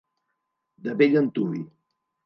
De bell antuvi.